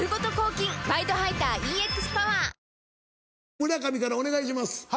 村上からお願いします。